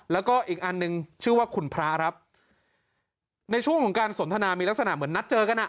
แล้วก็อีกอันหนึ่งชื่อว่าคุณพระครับในช่วงของการสนทนามีลักษณะเหมือนนัดเจอกันอ่ะ